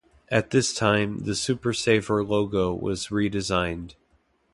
At this time, the Super Saver logo was redesigned.